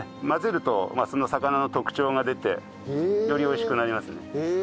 混ぜるとその魚の特徴が出てより美味しくなりますね。